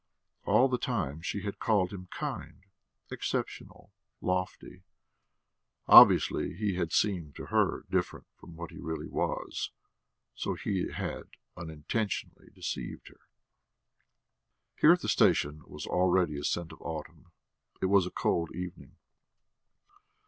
All the time she had called him kind, exceptional, lofty; obviously he had seemed to her different from what he really was, so he had unintentionally deceived her.... Here at the station was already a scent of autumn; it was a cold evening.